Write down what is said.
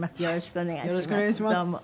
よろしくお願いします。